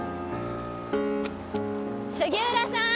杉浦さーん！